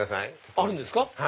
あるんですか？